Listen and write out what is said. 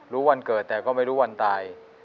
วันเกิดแต่ก็ไม่รู้วันตาย